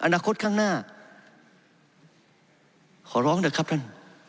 อนาคตข้างหน้าขอร้องเถอะครับท่าน